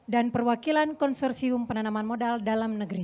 dan perwakilan konsorsium penanaman modal dalam negeri